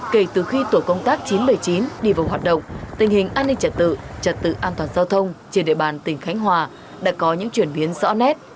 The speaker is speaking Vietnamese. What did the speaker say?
kể từ khi tổ công tác chín trăm bảy mươi chín đi vào hoạt động tình hình an ninh trật tự trật tự an toàn giao thông trên địa bàn tỉnh khánh hòa đã có những chuyển biến rõ nét